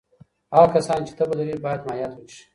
هغه کسان چې تبه لري باید مایعات وڅښي.